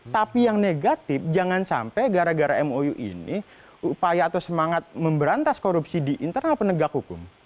tapi yang negatif jangan sampai gara gara mou ini upaya atau semangat memberantas korupsi di internal penegak hukum